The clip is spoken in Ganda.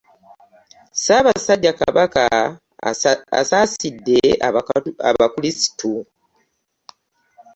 Ssaabasajja Kabaka asaasidde abakulisitu